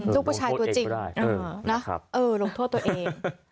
ลูกผู้ชายตัวจริงลงโทษตัวเอง